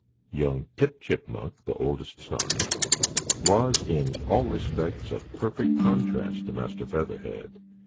Young Tip Chipmunk, the oldest son, was in all respects a perfect contrast to Master Featherhead.